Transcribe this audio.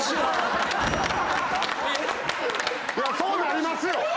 そうなりますよ。